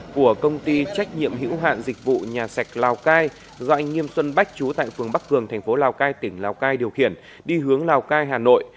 của công ty trách nhiệm hữu hạn dịch vụ nhà sạch lào cai do anh nghiêm xuân bách trú tại phường bắc cường thành phố lào cai tỉnh lào cai điều khiển đi hướng lào cai hà nội